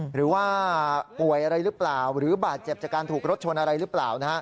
หรือว่าป่วยอะไรหรือเปล่าหรือบาดเจ็บจากการถูกรถชนอะไรหรือเปล่า